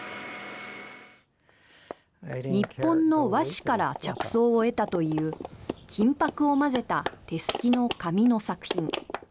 日本の和紙から着想を得たという金箔をまぜた手すきの紙の作品。